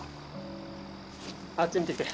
あっち見てきて。